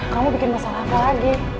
kamu bikin masalah apa lagi